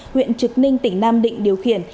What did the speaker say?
huyện trực ninh tỉnh nam định điều khiển